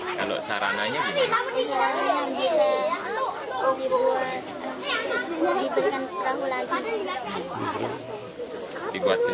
sekolah sekolah bisa diperbaikan